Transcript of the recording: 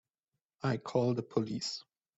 I'll call the police.